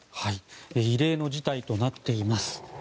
異例の事態となっています。